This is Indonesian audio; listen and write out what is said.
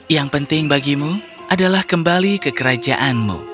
yang penting bagimu adalah kembali ke kerajaanmu